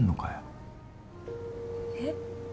えっ？